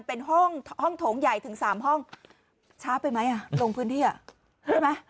เป็นห้องห้องโถงใหญ่ถึง๓ห้องช้าไปไหมอ่ะลงพื้นที่อ่ะใช่ไหม